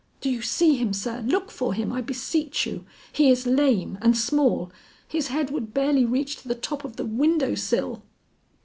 Do you see him, sir? Look for him, I beseech you; he is lame and small; his head would barely reach to the top of the window sill."